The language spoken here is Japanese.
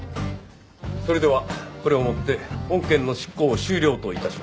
それではこれをもって本件の執行を終了と致します。